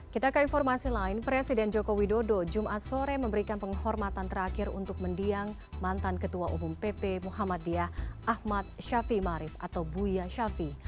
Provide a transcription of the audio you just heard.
kita ke informasi lain presiden joko widodo jumat sore memberikan penghormatan terakhir untuk mendiang mantan ketua umum pp muhammadiyah ahmad syafie marif atau buya ⁇ shafi